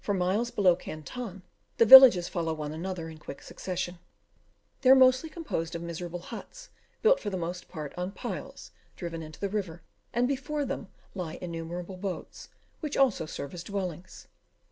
For miles below Canton, the villages follow one another in quick succession. They are mostly composed of miserable huts, built for the most part on piles driven into the river, and before them lie innumerable boats, which also serve as dwellings.